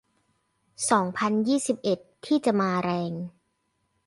สองพันยี่สิบเอ็ด ที่จะมาแรง